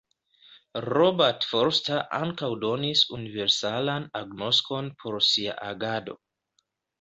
Robert Forster ankaŭ donis universalan agnoskon pro sia agado.